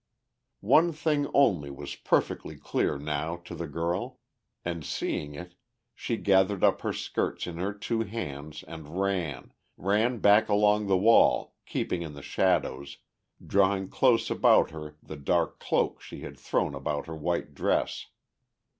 One thing only was perfectly clear now to the girl. And seeing it, she gathered up her skirts in her two hands and ran, ran back along the wall, keeping in the shadows, drawing close about her the dark cloak she had thrown about her white dress.